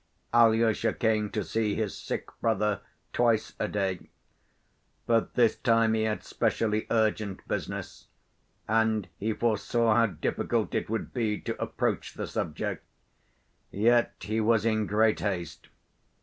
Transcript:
Alyosha came to see his sick brother twice a day. But this time he had specially urgent business, and he foresaw how difficult it would be to approach the subject, yet he was in great haste.